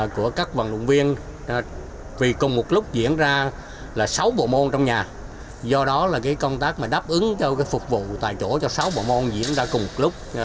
của các vận động viên vì cùng một lúc diễn ra là sáu bộ môn trong nhà do đó là công tác mà đáp ứng cho phục vụ tại chỗ cho sáu bộ môn diễn ra cùng một lúc